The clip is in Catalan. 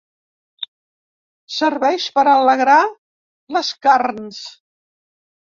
Serveix per alegrar les carns.